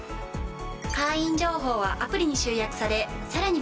会員情報はアプリに集約されさらに便利に。